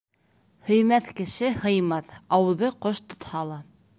Һөймәҫ кеше һыймаҫ, ауыҙы ҡош тотһа ла